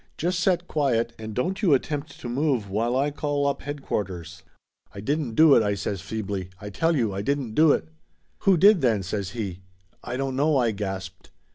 Just set quiet and don't you attempt to move while I call up headquarters !" "I didn't do it !" I says feebly. "I tell you I didn't doit!" "Who did, then?" says he. "I don't know," I gasped.